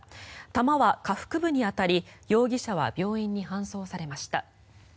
弾は下腹部に当たり容疑者は病院に搬送されました。